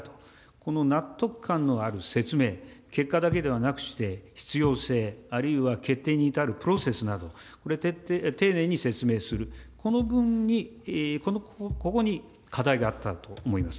この納得感のある説明、結果だけではなくして、必要性、あるいは決定に至るプロセスなど、これ、丁寧に説明する、この部分に、ここに課題があったと思います。